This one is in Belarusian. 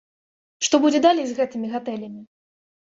Што будзе далей з гэтымі гатэлямі?